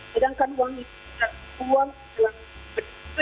sedangkan uang itu uang dalam bentuk itu ya